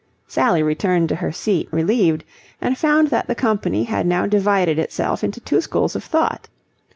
Sally returned to her seat, relieved, and found that the company had now divided itself into two schools of thought.